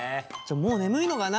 もう眠いのかな？